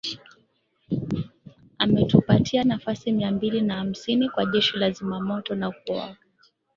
Ametupatia nafasi mia mbili na hamsini kwa Jeshi la Zimamoto na Uokoaji